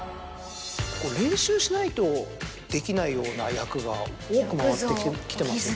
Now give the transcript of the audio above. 練習しないとできないような役が多く回ってきてますよね。